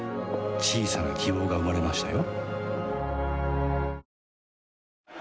小さな希望が生まれましたよ